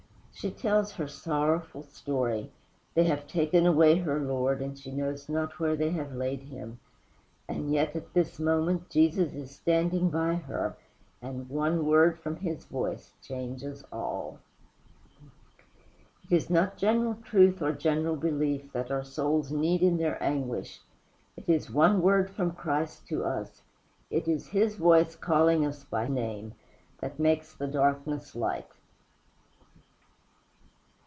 She tells her sorrowful story they have taken away her Lord and she knows not where they have laid him; and yet at this moment Jesus is standing by her, and one word from his voice changes all. It is not general truth or general belief that our souls need in their anguish; it is one word from Christ to us, it is his voice calling us by name, that makes the darkness light.